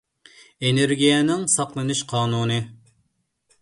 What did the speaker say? ئېنېرگىيەنىڭ ساقلىنىش قانۇنى